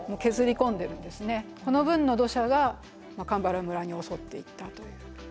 この分の土砂が鎌原村に襲っていったという。